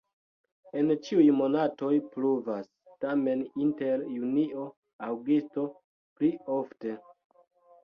En ĉiuj monatoj pluvas, tamen inter junio-aŭgusto pli ofte.